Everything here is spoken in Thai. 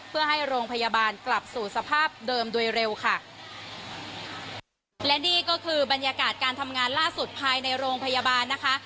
เพื่อให้โรงพยาบาลกลับสู่สภาพเดิมโดยเร็วค่ะและนี่ก็คือบรรยากาศการทำงานล่าสุดภายในโรงพยาบาลนะคะ